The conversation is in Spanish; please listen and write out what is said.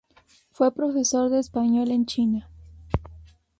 Fue profesor de español en China.